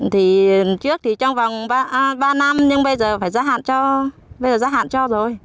thì trước thì trong vòng ba năm nhưng bây giờ phải gia hạn cho bây giờ gia hạn cho rồi